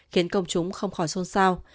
khiến công chúng không khỏi xôn xao